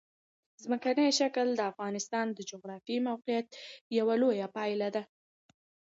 ځمکنی شکل د افغانستان د جغرافیایي موقیعت یوه لویه پایله ده.